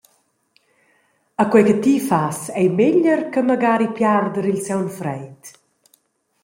E quei che ti fas ei meglier che magari piarder il saung freid?